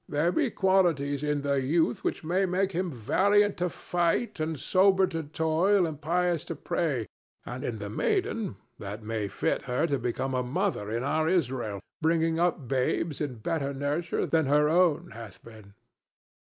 There be qualities in the youth which may make him valiant to fight and sober to toil and pious to pray, and in the maiden that may fit her to become a mother in our Israel, bringing up babes in better nurture than her own hath been.